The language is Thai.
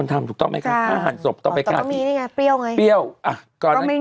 แต่ก็มีไงเปรี้ยวไง